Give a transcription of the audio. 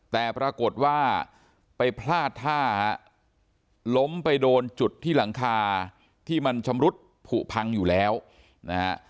แต่ปรากฏว่าไปพลาดท่าฮะล้มไปโดนจุดที่หลังคาที่มันชำรุดผูพังอยู่แล้วนะฮะ